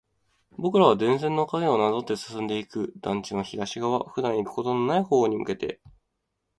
僕らは電線の影をなぞって進んでいく。団地の東側、普段行くことはない方に向けて。